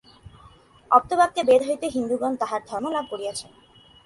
আপ্তবাক্য বেদ হইতে হিন্দুগণ তাঁহাদের ধর্ম লাভ করিয়াছেন।